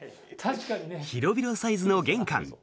広々サイズの玄関。